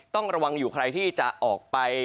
ต้องระวังอยู่ใครที่จะออกไป